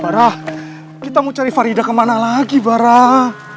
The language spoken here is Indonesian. barah kita mau cari farida kemana lagi barah